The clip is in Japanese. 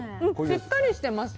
しっかりしてます。